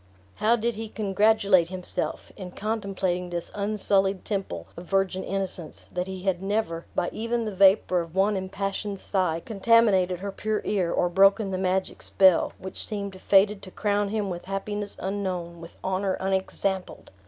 How did he congratulate himself, in contemplating this unsullied temple of virgin innocence, that he had never, by even the vapor of one impassioned sigh, contaminated her pure ear, or broken the magic spell, which seemed fated to crown him with happiness unknown, with honor unexampled!